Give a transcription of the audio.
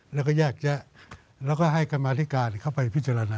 แล้วก็แยกแยะแล้วก็ให้กรรมาธิการเข้าไปพิจารณา